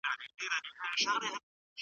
هغه تل د شرابو په نشه کې ډوب او بې هوښه و.